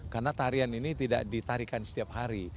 karena tarian ini tidak ditarikan setiap hari